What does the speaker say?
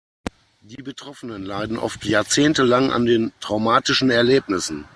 Die Betroffenen leiden oft jahrzehntelang an den traumatischen Erlebnissen.